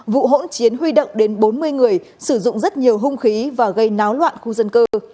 vụ hỗn chiến huy động đến bốn mươi người sử dụng rất nhiều hung khí và gây náo loạn khu dân cư